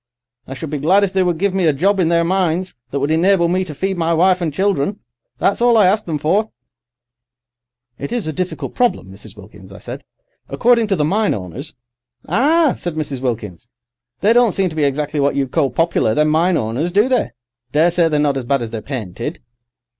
I should be glad if they would give me a job in their mines that would enable me to feed my wife and children. That's all I ask them for!'" "It is a difficult problem, Mrs. Wilkins," I said. "According to the mine owners—" "Ah," said Mrs. Wilkins. "They don't seem to be exactly what you'd call popular, them mine owners, do they? Daresay they're not as bad as they're painted."